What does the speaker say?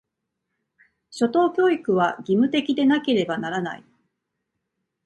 初等教育は、義務的でなければならない。